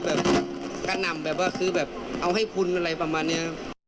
แบบการนำแบบว่าซื้อแบบเอาให้คุณอะไรประมาณนี้